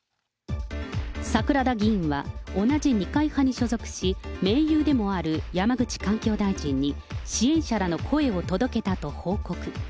桜田議員は同じ二階派に所属し、盟友でもある山口環境大臣に支援者らの声を届けたと報告。